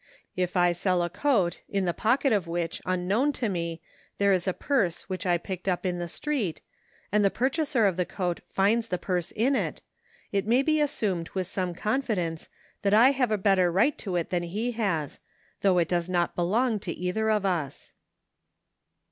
If I sell a coat in the pocket of which, unknown to me, there is a purse which I picked up in the street, and the purchaser of the coat finds the purse in it, it may be assumed with some confidence that I have a better right to it than he has, though it does not belong to either of us.